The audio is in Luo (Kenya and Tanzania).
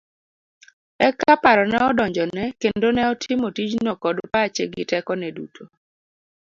Eka paro ne odonjone kendo ne otimo tijno kod pache gi teko ne duto.